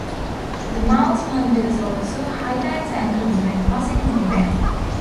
The mouse pointer also highlights anchors when passing over them.